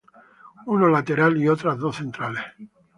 Uno lateral y otro dos centrales.